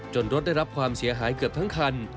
รถได้รับความเสียหายเกือบทั้งคัน